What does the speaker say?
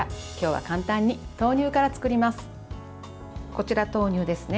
こちら、豆乳ですね。